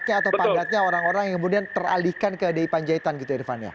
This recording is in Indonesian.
pake atau pangkatnya orang orang yang kemudian teralihkan ke dipanjaitan gitu irfan ya